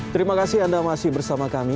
terima kasih anda masih bersama kami